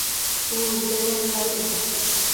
U oʻzida yoʻq shod edi